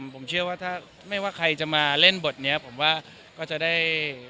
ผมเชื่อว่าถ้าไม่ว่าใครจะมาเล่นบทนี้ผมว่าก็จะได้